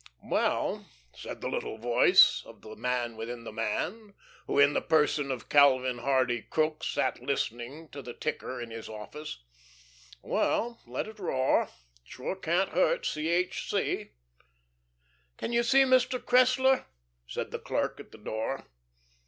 "Well," said the little voice of the man within the man, who in the person of Calvin Hardy Crookes sat listening to the ticker in his office, "well, let it roar. It sure can't hurt C. H. C." "Can you see Mr. Cressler?" said the clerk at the door.